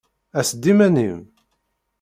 Ass-d iman-im!